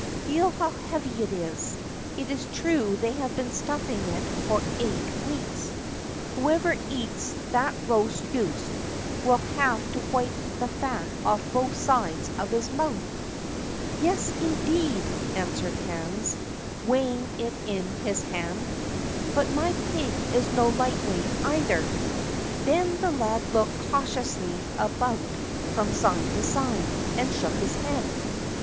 "Feel how heavy it is; it's true they have been stuffing it for eight weeks. Whoever eats that roast goose will have to wipe the fat off both sides of his mouth." "Yes, indeed!" answered Hans, weighing it in his hand; "but my pig is no light weight, either." Then the lad looked cautiously about from side to side, and shook his head.